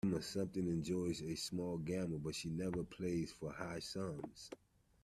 Emma sometimes enjoys a small gamble, but she never plays for high sums